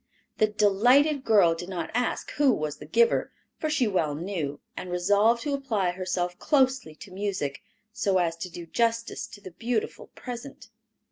The delighted girl did not ask who was the giver, for she well knew; and resolved to apply herself closely to music, so as to do justice to the beautiful present.